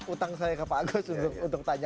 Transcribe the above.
utang saya ke pak agus untuk tanya